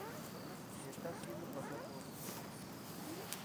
Si se está haciendo pasar por otro formato.